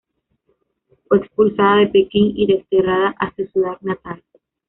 Fue expulsada de Pekín, y desterrada a su ciudad natal.